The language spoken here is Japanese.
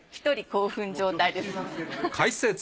１人興奮状態です。